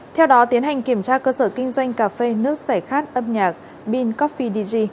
theo đó tiến hành kiểm tra cơ sở kinh doanh cà phê nước sẻ khát âm nhạc bean coffee dg